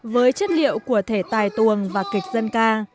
với chất liệu của thể tài tuồng và kịch dân ca